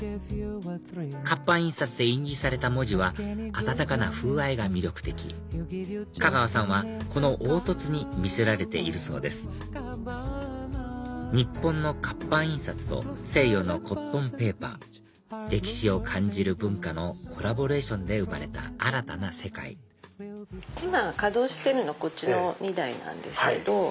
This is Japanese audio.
活版印刷で印字された文字は温かな風合いが魅力的かがわさんはこの凹凸に魅せられているそうです日本の活版印刷と西洋のコットンペーパー歴史を感じる文化のコラボレーションで生まれた新たな世界今稼働してるのこっちの２台なんですけど。